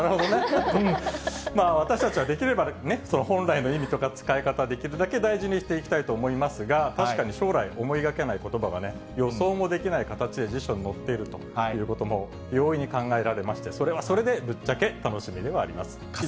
私たちは、できれば、その本来の意味とか、使い方、できるだけ大事にしていきたいと思いますが、確かに将来、思いがけないことばがね、予想もできない形で辞書に載っているということも、容易に考えられまして、それはそれで、ぶっちゃけ楽しみではあります。